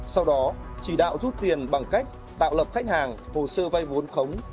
sau đó chỉ đạo rút tiền bằng cách tạo lập khách hàng hồ sơ vay vốn khống